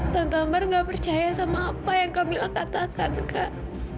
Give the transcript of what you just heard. tante ambar tidak percaya sama apa yang camilla katakan kak